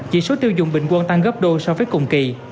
chỉ số tiêu dùng bình quân tăng gấp đôi so với cùng kỳ